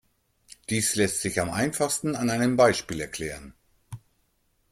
Dies lässt sich am einfachsten an einem Beispiel erklären.